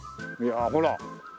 いやあほら。